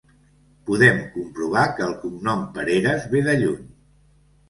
Podem comprovar que el cognom Pereres ve de lluny.